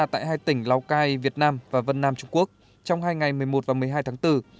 tại hai tỉnh lào cai việt nam và vân nam trung quốc trong hai ngày một mươi một và một mươi hai tháng bốn